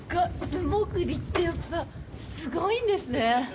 素潜りって、やっぱりすごいんですねぇ。